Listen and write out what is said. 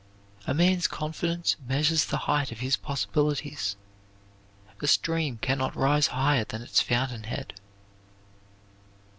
A man's confidence measures the height of his possibilities. A stream can not rise higher than its fountain head.